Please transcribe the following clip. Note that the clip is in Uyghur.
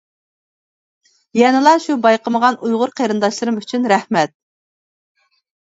يەنىلا شۇ بايقىمىغان ئۇيغۇر قېرىنداشلىرىم ئۈچۈن. رەھمەت.